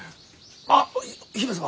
あっ姫様。